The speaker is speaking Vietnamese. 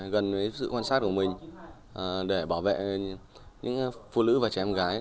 gần với sự quan sát của mình để bảo vệ những phụ nữ và trẻ em gái